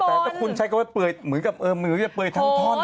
แต่ถ้าคุณใช้คำว่าเหมือนกับมือก็จะเปลือยทั้งท่อน